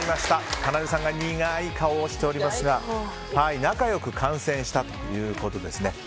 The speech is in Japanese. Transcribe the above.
かなでさんが苦い顔をしていますが仲良く観戦したということですね。